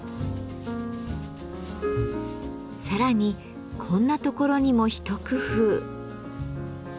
さらにこんなところにも一工夫。